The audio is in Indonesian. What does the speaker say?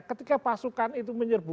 ketika pasukan itu menyerbu